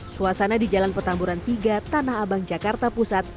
suasana di jalan petamburan tiga tanah abang jakarta pusat